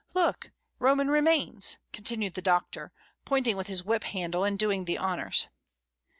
Look, Roman remains," continued the Doctor, pointing with his whip handle, and doing the honours.